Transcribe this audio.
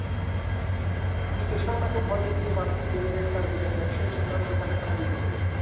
পিকে শর্মাকে ভয় দেখিয়ে ওয়াসিম জেনে নেন তারা বিরাট ব্যবসায়ীর সোনার দোকানে হানা দিতে চলেছে।